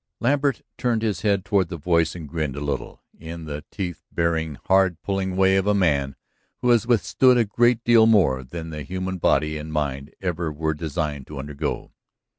Lambert turned his head toward the voice and grinned a little, in the teeth baring, hard pulling way of a man who has withstood a great deal more than the human body and mind ever were designed to undergo.